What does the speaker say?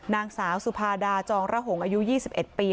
นางสาวสุภาดาจองระหงอายุ๒๑ปี